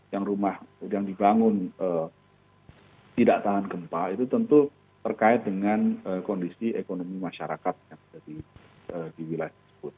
yang rumah yang dibangun tidak tahan gempa itu tentu terkait dengan kondisi ekonomi masyarakat yang ada di wilayah tersebut